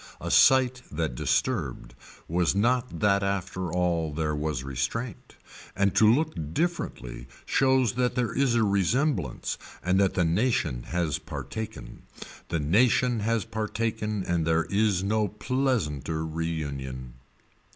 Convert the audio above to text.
A sight that disturbed was not that after all there was restraint and to look differently shows that there is a resemblance and that the nation has partaken. The nation has partaken and there is no pleasanter reunion.